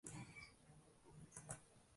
Haykallar emasmi?» deya so’radim.